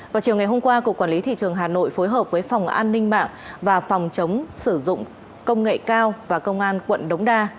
vào chiều ngày hôm qua cục quản lý thị trường hà nội phối hợp với phòng an ninh mạng và phòng chống sử dụng công nghệ cao và công an quận đống đa